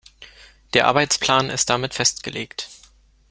Der Arbeitsplan ist damit festgelegt.